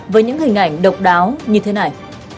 với những hình ảnh độc đáo như thế này